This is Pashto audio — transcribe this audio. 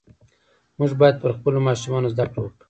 موږ باید پر خپلو ماشومانو زده کړه وکړو .